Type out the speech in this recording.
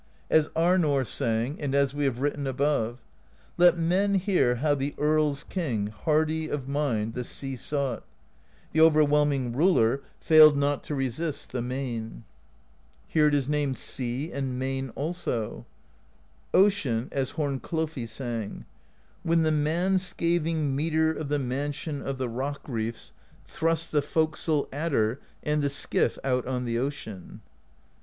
As Arnorr sang, and as we have written above: Let men hear how the Earls' King, Hardy of mind, the Sea sought; The overwhelming Ruler Failed not to resist the Main.* Here it is named Sea, and Main also. "Ocean, as Hornklofi sang: When the man scathing Meeter Of the Mansion of the Rock Reefs * See page 130. ^ See page 198. THE POESY OF SKALDS 217 Thrust the Forecastle Adder And the skiff out on the Ocean.